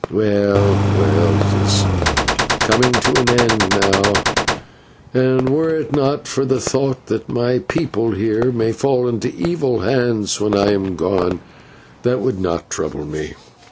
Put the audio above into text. Well, well, it is coming to an end now, and were it not for the thought that my people here may fall into evil hands when I am gone, that would not trouble me.